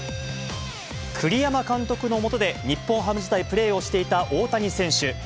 栗山監督の下で日本ハム時代プレーをしていた大谷選手。